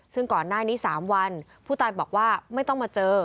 ซึ่งก่อนหน้านี้๓วันผู้ตายบอกว่าไม่ต้องมาเจอ